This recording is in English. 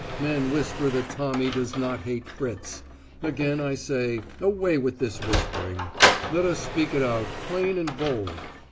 Men whisper that Tommy does not hate Fritz. Again I say, away with this whispering. Let us speak it out plain and bold.